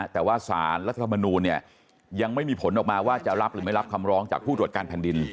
แต่ว่าสารรัฐบำนูยังไม่มีผลออกมาจะรับหรือไม่รับคำร้องจากผู้รวดการแผ่นดิน